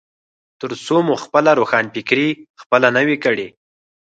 ترڅو مو خپله روښانفکري خپله نه وي کړي.